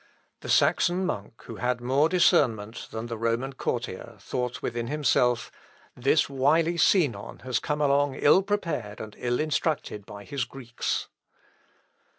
The Saxon monk, who had more discernment than the Roman courtier, thought within himself, "This wily Sinon has come along ill prepared and ill instructed by his Greeks."